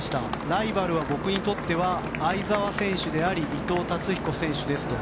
ライバルは僕にとっては相澤選手であり伊藤達彦選手ですと。